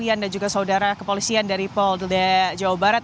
yan dan juga saudara kepolisian dari polda jawa barat